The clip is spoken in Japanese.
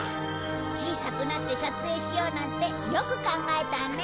小さくなって撮影しようなんてよく考えたね。